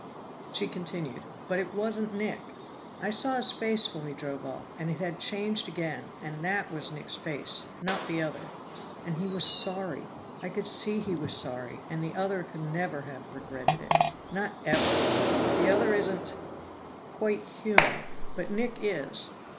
She continued. "But it wasn't Nick! I saw his face when we drove off, and it had changed again, and that was Nick's face, not the other. And he was sorry; I could see he was sorry, and the other could never have regretted it not ever! The other isn't quite human, but Nick is."